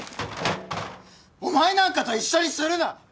お前なんかと一緒にするな！